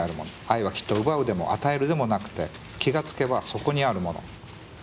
「愛はきっと奪うでも与えるでもなくて気が付けばそこにある物」。